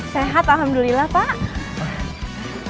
sehat alhamdulillah pak